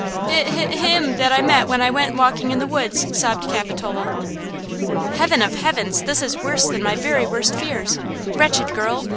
"H–h–h–him that I met when I went walking in the woods," sobbed Capitola. "Heaven of heavens! this is worse than my very worst fears! Wretched girl!